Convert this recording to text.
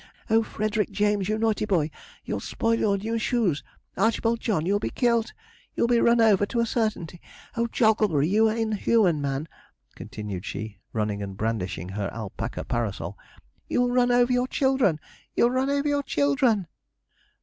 O Frederick James, you naughty boy! you'll spoil your new shoes! Archibald John, you'll be kilt! you'll be run over to a certainty. O Jogglebury, you inhuman man!' continued she, running and brandishing her alpaca parasol, 'you'll run over your children! you'll run over your children!'